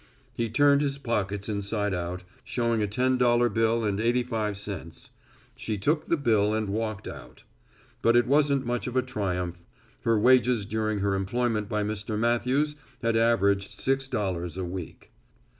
He turned his pockets inside out, showing a ten dollar bill and eighty five cents. She took the bill and walked out. But it wasn't much of a triumph. Her wages during her employment by Mr. Matthews had averaged six dollars a week.